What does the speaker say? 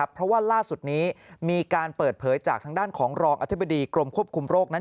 เพราะว่าล่าสุดนี้มีการเปิดเผยจากทางด้านของรองอธิบดีกรมควบคุมโรคนั้น